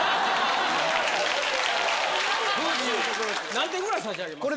何点ぐらい差し上げますか？